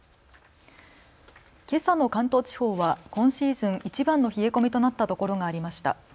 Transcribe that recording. けさの関東地方は今シーズンいちばんの冷え込みとなったところがありました。